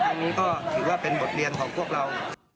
อันนี้ก็ถือว่าเป็นบทเรียนของพวกเรา